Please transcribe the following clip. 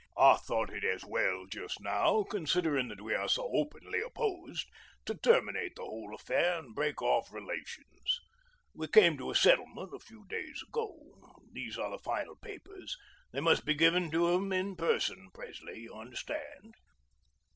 I thought it as well just now, considering that we are so openly opposed, to terminate the whole affair, and break off relations. We came to a settlement a few days ago. These are the final papers. They must be given to him in person, Presley. You understand."